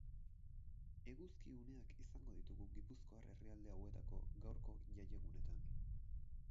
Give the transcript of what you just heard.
Eguzki uneak izango ditugu gipuzkoar herrialde hauetako gaurko jaiegunetan.